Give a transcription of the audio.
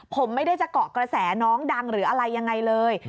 ผมไม่ได้จะเกาะกระแสน้องดังหรืออะไรยังไงเลย